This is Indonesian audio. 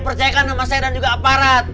percayakan sama saya dan juga aparat